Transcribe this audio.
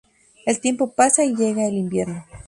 El tiempo pasa y llega el invierno.